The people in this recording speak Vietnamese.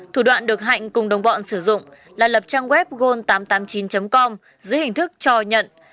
thủ đoạn được hạnh cùng đồng bọn sử dụng là lập trang web gold tám trăm tám mươi chín com dưới hình thức cho nhận